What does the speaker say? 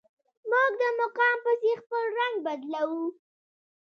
موږ د مقام پسې خپل رنګ بدلوو.